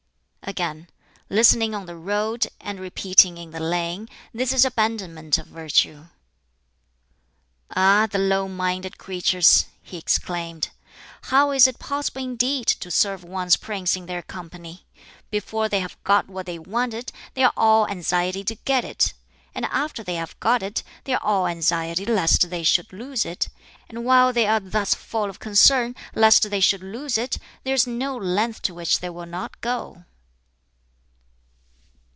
Again, "Listening on the road, and repeating in the lane this is abandonment of virtue." "Ah, the low minded creatures!" he exclaimed. "How is it possible indeed to serve one's prince in their company? Before they have got what they wanted they are all anxiety to get it, and after they have got it they are all anxiety lest they should lose it; and while they are thus full of concern lest they should lose it, there is no length to which they will not go."